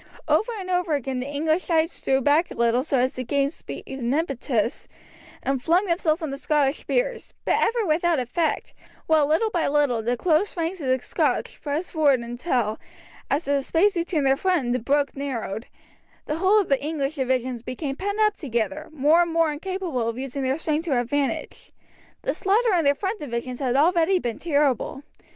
Over and over again the English knights drew back a little so as to gain speed and impetus, and flung themselves on the Scottish spears, but ever without effect, while little by little the close ranks of the Scotch pressed forward until, as the space between their front and the brook narrowed, the whole of the English divisions became pent up together, more and more incapable of using their strength to advantage. The slaughter in their front divisions had already been terrible.